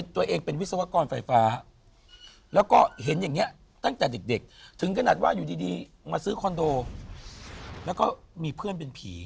ตัวเองเป็นวิศวกรไฟฟ้าแล้วก็เห็นอย่างเนี่ยตั้งแต่เด็ก